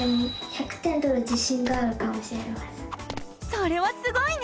それはすごいね！